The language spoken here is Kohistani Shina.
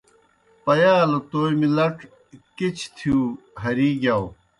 پیالوْ تومیْ لڇ کِچھ تِھیؤ ہرِی گِیاؤ۔